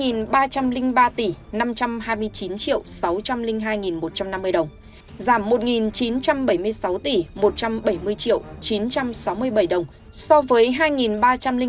giảm một chín trăm bảy mươi sáu tỷ năm trăm linh bảy triệu bảy trăm bảy mươi ba một trăm một mươi bảy đồng dự toán tức chỉ số tiết kiệm chưa đầy một